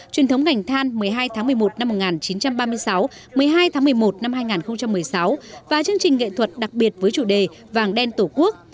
truyền thống ngành than một mươi hai tháng một mươi một năm một nghìn chín trăm ba mươi sáu một mươi hai tháng một mươi một năm hai nghìn một mươi sáu và chương trình nghệ thuật đặc biệt với chủ đề vàng đen tổ quốc